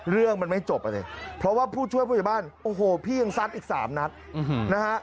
เรื่องมันไม่จบอ่ะสิเพราะว่าผู้ช่วยผู้ใหญ่บ้านโอ้โหพี่ยังซัดอีกสามนัดนะฮะ